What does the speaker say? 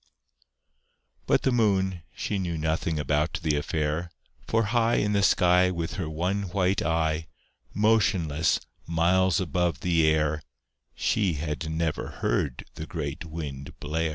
But the Moon, she knew nothing about the affair, For high In the sky, With her one white eye, Motionless, miles above the air, She had never heard the great Wind blare.